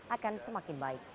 akan semakin baik